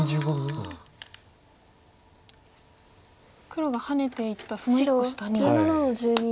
黒がハネていったその１個下に。